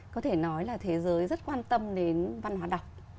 có thể nói là thế giới rất quan tâm đến văn hóa đọc